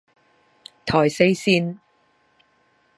台四線